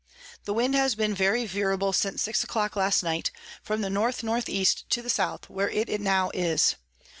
The Wind has been very veerable since six a clock last night, from the N N E to the S. where it now is.